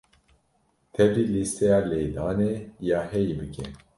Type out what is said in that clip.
Tevlî lîsteya lêdanê ya heyî bike.